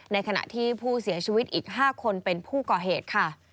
ในขณะที่ผู้เสียชีวิตอีก๕คนเป็นผู้ก่อเหตุค่ะ